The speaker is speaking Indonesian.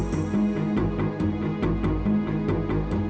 padahal ibu udah maafin aku pak